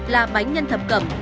là bánh nhân thập cẩm